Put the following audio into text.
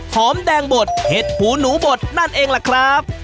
หอมแดงบดเห็ดหูหนูบดนั่นเองล่ะครับ